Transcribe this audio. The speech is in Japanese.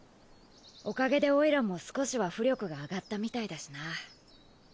おかげでオイラも少しは巫力が上がったみたいだしな。